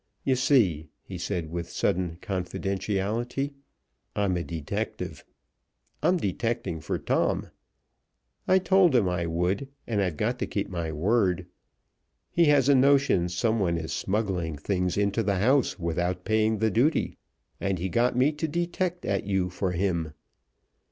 You see," he said with sudden confidentiality, "I'm a detective. I'm detecting for Tom. I told him I would, and I've got to keep my word. He has a notion someone is smuggling things into the house without paying the duty, and he got me to detect at you for him.